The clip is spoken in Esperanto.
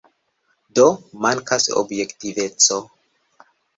Do, mankas objektiveco.